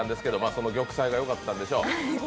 その玉砕がよかったんでしょう。